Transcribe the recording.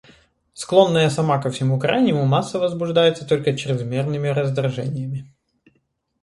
Склонная сама ко всему крайнему, масса возбуждается только чрезмерными раздражениями.